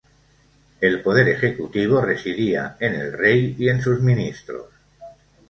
El poder ejecutivo residía en el rey y en sus ministros.